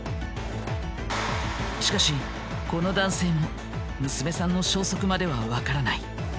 しかしこの男性も娘さんの消息まではわからない。